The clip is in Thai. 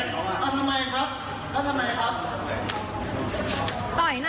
โปรดติดตามตอนต่อไป